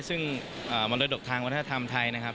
ซึ่งมรดกทางวัฒนธรรมไทยนะครับ